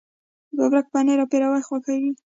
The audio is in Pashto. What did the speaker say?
د ببرک پنیر او پیروی خوښیږي.